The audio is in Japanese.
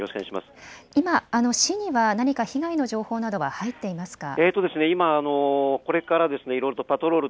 今、市には何か被害の情報などは入っていますか。